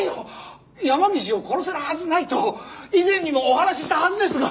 山岸を殺せるはずないと以前にもお話ししたはずですが。